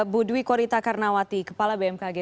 bu dwi korita karnawati kepala bmkg